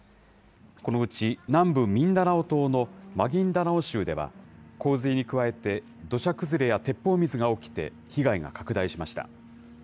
このうち南部ミンダナオ島のマギンダナオ州では、洪水に加えて土砂崩れや鉄砲水が起きて、被害が拡大しました。